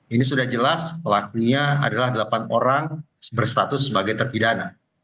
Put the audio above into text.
ini sudah jelas pelakunya adalah delapan orang berstatus sebagai terpidana